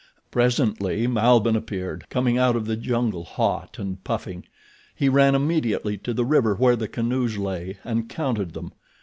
Presently Malbihn appeared, coming out of the jungle, hot and puffing. He ran immediately to the river where the canoes lay and counted them.